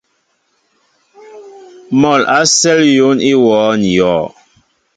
Mɔ a sέl yón í wōō ní yɔɔ.